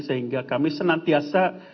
sehingga kami senantiasa